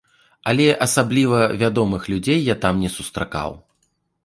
Але асабліва вядомых людзей я там не сустракаў.